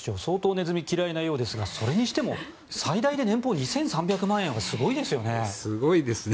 ネズミが嫌いなようですがそれにしても最大で年俸２３００万円はすごいですよね。